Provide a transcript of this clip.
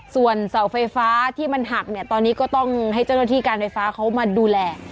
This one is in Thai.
ส่วนเสาไฟฟ้าที่มันหักเนี่ยตอนนี้ก็ต้องให้เจ้าหน้าที่การไฟฟ้าเขามาดูแล